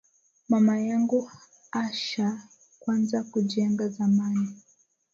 Mama yangu asha kwanza ku jenga zamani